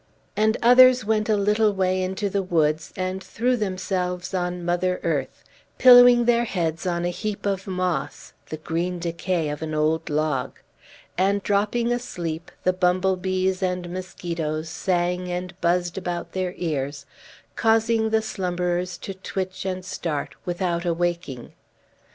And others went a little way into the woods, and threw themselves on mother earth, pillowing their heads on a heap of moss, the green decay of an old log; and, dropping asleep, the bumblebees and mosquitoes sung and buzzed about their ears, causing the slumberers to twitch and start, without awaking.